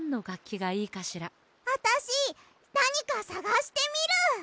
あたしなにかさがしてみる！